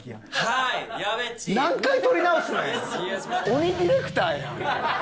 鬼ディレクターやん。